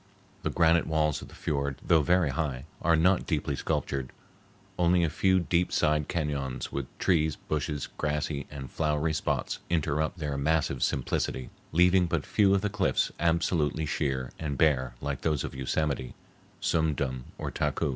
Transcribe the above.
The granite walls of the fiord, though very high, are not deeply sculptured. Only a few deep side cañons with trees, bushes, grassy and flowery spots interrupt their massive simplicity, leaving but few of the cliffs absolutely sheer and bare like those of Yosemite, Sum Dum, or Taku.